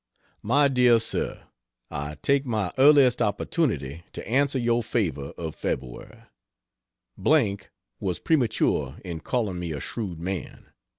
MY DEAR SIR, I take my earliest opportunity to answer your favor of Feb. B was premature in calling me a "shrewd man."